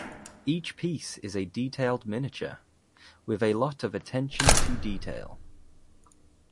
Each piece is a detailed miniature, with a lot of attention to detail.